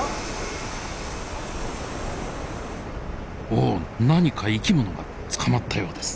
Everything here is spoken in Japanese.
おっ何か生き物が捕まったようです。